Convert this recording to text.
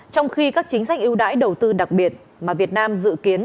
trong khi các chính sách ưu đãi đầu tư đặc biệt mà việt nam dự kiến